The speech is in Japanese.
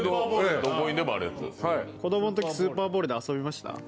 子供のとき、スーパーボールで遊びました？